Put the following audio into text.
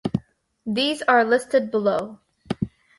These are listed below.